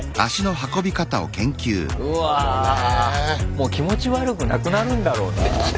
もう気持ち悪くなくなるんだろうな。